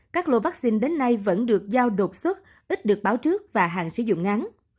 các lô vaccine đến nay vẫn được giao đột xuất ít được báo trước và hàng sử dụng ngắn